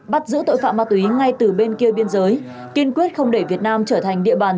bắt giữ tội phạm ma túy ngay từ bên kia biên giới kiên quyết không để việt nam trở thành địa bàn